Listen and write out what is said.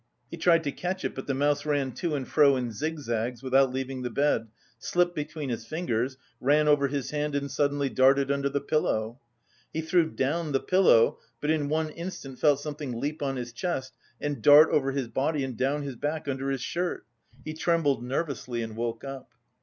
He tried to catch it, but the mouse ran to and fro in zigzags without leaving the bed, slipped between his fingers, ran over his hand and suddenly darted under the pillow. He threw down the pillow, but in one instant felt something leap on his chest and dart over his body and down his back under his shirt. He trembled nervously and woke up.